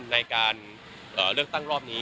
ในการเลือกตั้งรอบนี้